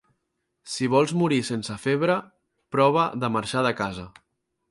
Si vols morir sense febre, prova de marxar de casa.